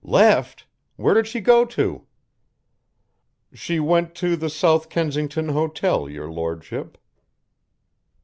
"Left! where did she go to?" "She went to the South Kensington Hotel, your Lordship."